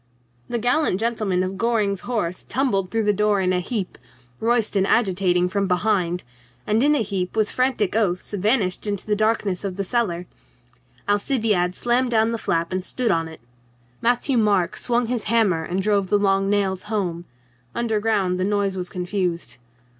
The gallant gentlemen of Goring's horse tumbled JOAN NORMANDY 23 through the door in a heap, Royston agitating from behind, and in a heap with frantic oaths vanished into the darkness of the cellar. Alcibiade slammed down the flap and stood on it. Matthieu Marc swung his hammer and drove the long nails home. Under ground the noise was confused.